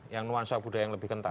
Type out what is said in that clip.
yang nuansa budaya yang lebih kental